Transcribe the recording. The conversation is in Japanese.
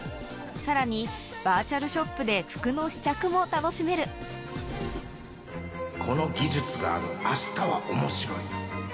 さらにバーチャルショップで服の試着も楽しめるこの技術がある明日は面白い